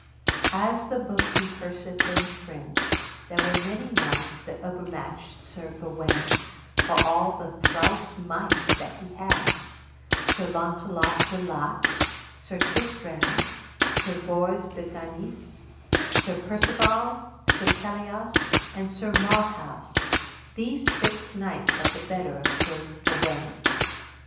As the book rehearseth in French, there were many knights that overmatched Sir Gawaine, for all the thrice might that he had: Sir Launcelot de Lake, Sir Tristram, Sir Bors de Ganis, Sir Percivale, Sir Pelleas, and Sir Marhaus, these six knights had the better of Sir Gawaine.